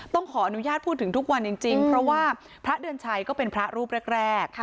ต้องขออนุญาตพูดถึงทุกวันจริงเพราะว่าพระเดือนชัยก็เป็นพระรูปแรก